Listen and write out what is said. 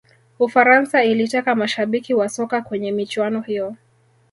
ufaransa iliteka mashabiki wa soka kwenye michuano hiyo